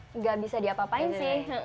nggak bisa diapa apain sih